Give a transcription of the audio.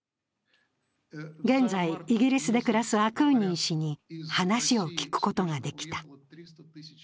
現在、イギリスで暮らすアクーニン氏に話を聞くことができた。